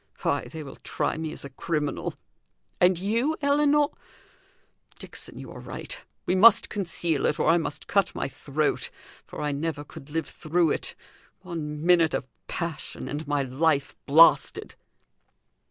Why, they will try me as a criminal; and you, Ellinor? Dixon, you are right. We must conceal it, or I must cut my throat, for I never could live through it. One minute of passion, and my life blasted!"